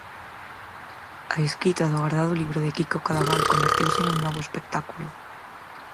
A escrita do agardado libro de Quico Cadaval converteuse nun novo espectáculo.